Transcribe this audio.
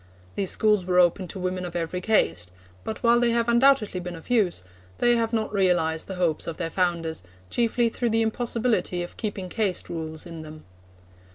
These schools were open to women of every caste; but while they have undoubtedly been of use, they have not realised the hopes of their founders, chiefly through the impossibility of keeping caste rules in them.